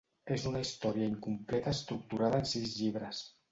És una història incompleta estructurada en sis llibres.